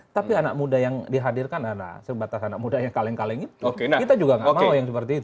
tapi anak muda yang dihadirkan anak sebatas anak muda yang kaleng kaleng itu kita juga nggak mau yang seperti itu